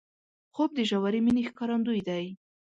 خوب د ژورې مینې ښکارندوی دی